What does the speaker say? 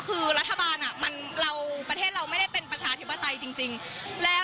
เพราะว่ารัฐเราไม่ได้มีความเป็นสารกุณลโกรคแล้ว